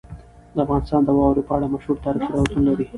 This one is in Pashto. افغانستان د واوره په اړه مشهور تاریخی روایتونه لري.